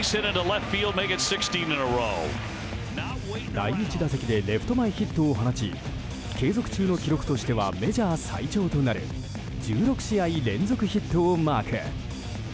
第１打席でレフト前ヒットを放ち継続中の記録としてはメジャー最長となる１６試合連続ヒットをマーク。